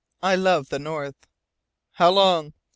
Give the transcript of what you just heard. "I love the North." "How long?"